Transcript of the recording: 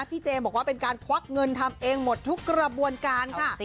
เจมสบอกว่าเป็นการควักเงินทำเองหมดทุกกระบวนการค่ะ